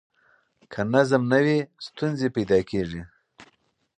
که نظم نه وي، ستونزې پیدا کېږي.